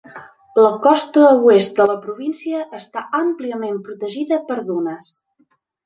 La costa oest de la província està àmpliament protegida per dunes.